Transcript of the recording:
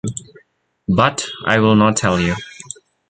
But I will not tell you.